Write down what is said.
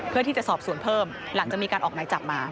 เพื่อที่จะสอบสวนเพิ่มหลังจากมีการออกหมายจับมา